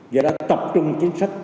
và đã tập trung chính sách